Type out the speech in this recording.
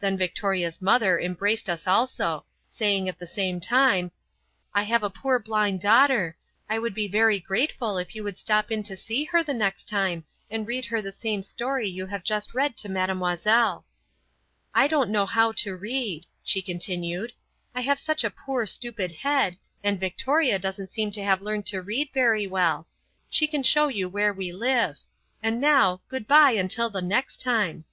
Then Victoria's mother embraced us also, saying at the same time, "I have a poor blind daughter. I would be very grateful if you would stop in to see her the next time and read her the same story you have just read to Mademoiselle." "I don't know how to read," she continued; "I have such a poor stupid head, and Victoria doesn't seem to have learned to read very well. She can show you where we live and now, goodbye until the next time."